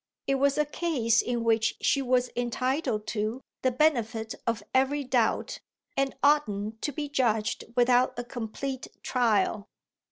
It was a case in which she was entitled to the benefit of every doubt and oughtn't to be judged without a complete trial.